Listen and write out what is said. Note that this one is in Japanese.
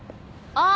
ああ。